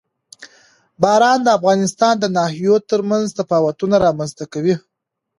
باران د افغانستان د ناحیو ترمنځ تفاوتونه رامنځ ته کوي.